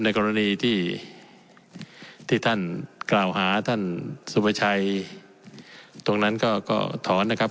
กรณีที่ท่านกล่าวหาท่านสุประชัยตรงนั้นก็ถอนนะครับ